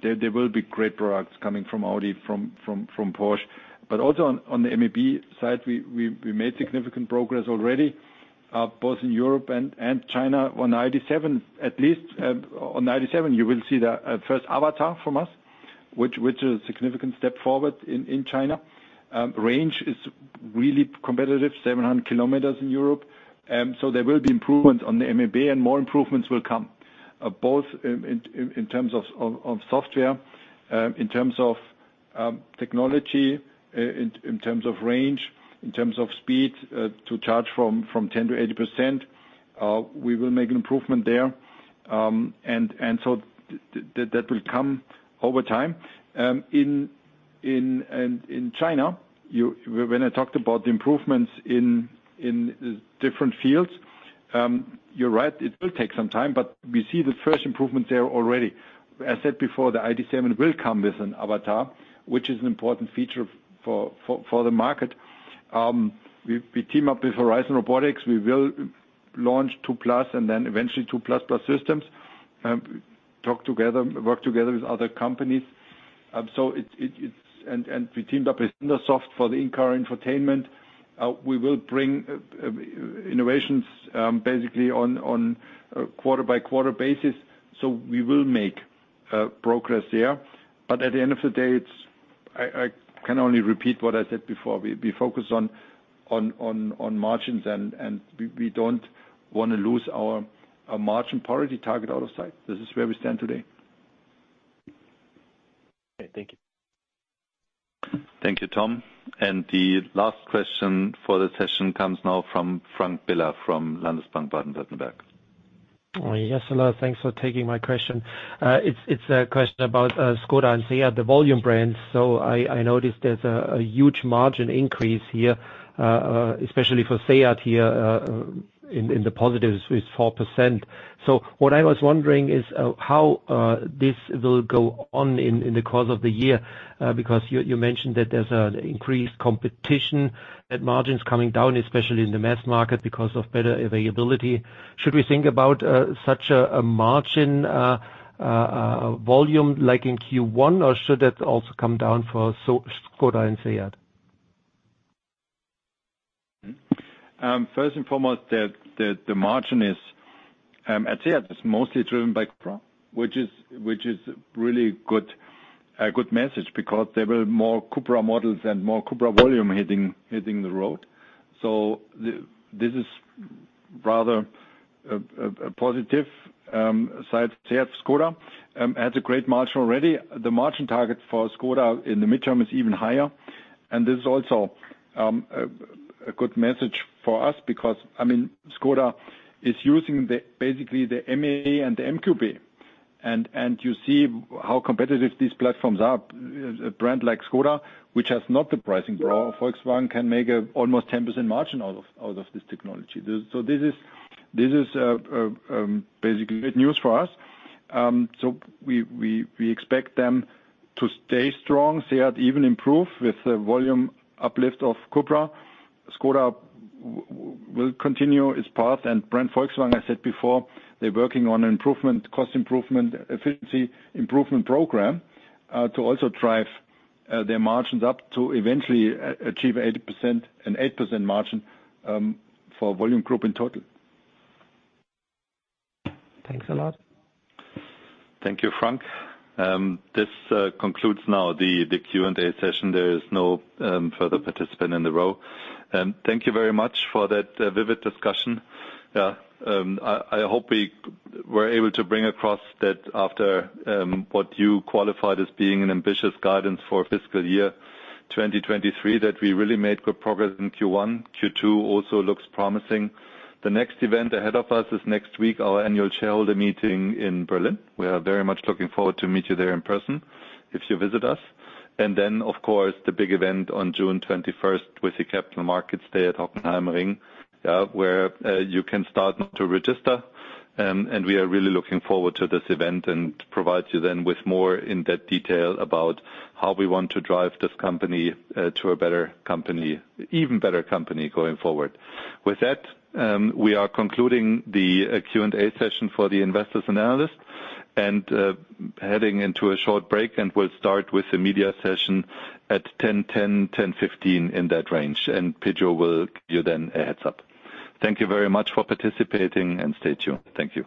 there will be great products coming from Audi, from Porsche. Also on the MEB side, we made significant progress already both in Europe and China on ID.7 at least. On ID.7 you will see the first avatar from us, which is a significant step forward in China. Range is really competitive, 700 km in Europe. There will be improvements on the MEB, and more improvements will come, both in terms of software, in terms of technology, in terms of range, in terms of speed, to charge from 10% to 80%, we will make an improvement there. That will come over time. In China, when I talked about the improvements in different fields, you're right. It will take some time, but we see the first improvement there already. As said before, the ID.7 will come with an avatar, which is an important feature for the market. We team up with Horizon Robotics. We will launch Level 2+ and then eventually Level 2++ systems, talk together, work together with other companies. It's. We teamed up with Zendesoft for the in-car infotainment. We will bring innovations basically on a quarter-by-quarter basis, so we will make progress there. At the end of the day, it's. I can only repeat what I said before. We focus on margins and we don't wanna lose our margin parity target out of sight. This is where we stand today. Okay. Thank you. Thank you, Tom. The last question for the session comes now from Frank Biller from Landesbank Baden-Württemberg. Yes, hello. Thanks for taking my question. It's a question about Škoda and SEAT, the volume brands. I noticed there's a huge margin increase here, especially for SEAT here, in the positives with 4%. What I was wondering is how this will go on in the course of the year, because you mentioned that there's an increased competition at margins coming down, especially in the mass market because of better availability. Should we think about such a margin volume like in Q1 or should that also come down for Škoda and SEAT? First and foremost, the margin is, at SEAT is mostly driven by CUPRA, which is really good, a good message because there were more CUPRA models and more CUPRA volume hitting the road. This is rather a positive side. SEAT, Škoda has a great margin already. The margin target for Škoda in the midterm is even higher. This is also a good message for us because, I mean, Škoda is using the, basically the MEB and the MQB, and you see how competitive these platforms are. A brand like Škoda, which has not the pricing power of Volkswagen, can make a almost 10% margin out of this technology. This is basically good news for us. We expect them to stay strong, SEAT even improve with the volume uplift of CUPRA. Škoda will continue its path. Brand Volkswagen, I said before, they're working on improvement, cost improvement, efficiency improvement program to also drive their margins up to eventually achieve an 8% margin for volume group in total. Thanks a lot. Thank you, Frank. This concludes now the Q&A session. There is no further participant in the row. Thank you very much for that vivid discussion. Yeah. I hope we were able to bring across that after what you qualified as being an ambitious guidance for fiscal year 2023, that we really made good progress in Q1. Q2 also looks promising. The next event ahead of us is next week, our annual shareholder meeting in Berlin. We are very much looking forward to meet you there in person if you visit us. Then, of course, the big event on June 21 with the Capital Markets Day at Hockenheimring, where you can start to register. We are really looking forward to this event and provide you then with more in-depth detail about how we want to drive this company to a better company, even better company going forward. With that, we are concluding the Q&A session for the investors analysis and heading into a short break, and we'll start with the media session at 10:10A.M., 10:15A.M., in that range. Pedro will give you then a heads-up. Thank you very much for participating, and stay tuned. Thank you.